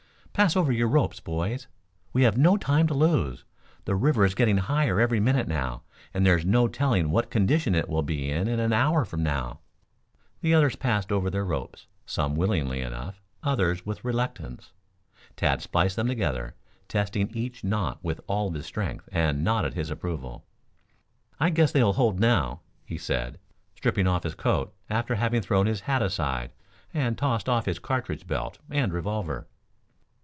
"Pass over your ropes, boys. We have no time to lose. The river is getting higher every minute now, and there's no telling what condition it will be in an hour from now." The others passed over their ropes, some willingly enough, others with reluctance. Tad spliced them together, tested each knot with all his strength and nodded his approval. "I guess they will hold now," he said, stripping off his coat after having thrown his hat aside and tossed off his cartridge belt and revolver.